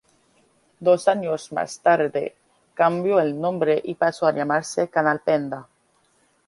Dos años más tarde cambió el nombre y pasó a llamarse Canal Panda.